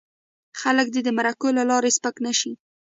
خلک دې د مرکو له لارې سپک نه شي.